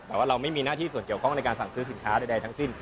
แต่ว่าเราไม่มีหน้าที่ส่วนเกี่ยวข้องในการสั่งซื้อสินค้าใดทั้งสิ้น